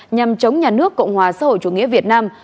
nhằm chống nhà nước cộng hòa xã hội chủ nghĩa việt nam